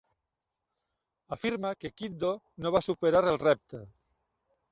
Afirma que Kiddo no va superar el repte.